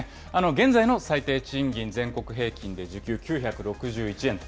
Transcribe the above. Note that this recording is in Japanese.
現在の最低賃金、全国平均で時給９６１円と。